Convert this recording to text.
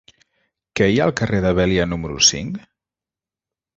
Què hi ha al carrer de Vèlia número cinc?